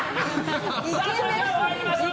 それでは参りましょう。